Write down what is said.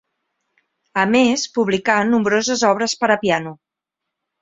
A més, publicà nombroses obres per a piano.